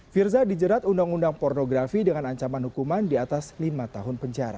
firza dijerat undang undang pornografi dengan ancaman hukuman di atas lima tahun penjara